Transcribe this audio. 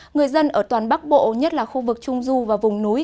người dân ở toàn bắc bộ nhất là khu vực trung du và vùng núi